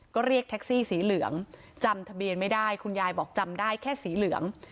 ก็เรียกแท็กซี่สีเหลืองจำทะเบียนไม่ได้คุณยายบอกจำได้แค่สีเหลือง